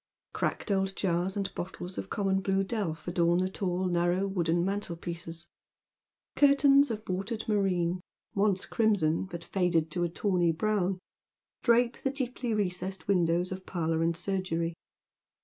Cracked old jars and bottles of common blue delf adorn the tall nan'ow wooden mantelpieces ; curtains of watered moreen, once crimson, but faded to a tawny brown, drape the deeply recessed •windows of parlour and surgery.